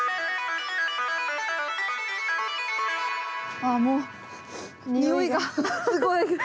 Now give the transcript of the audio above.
あもう匂いがすごい！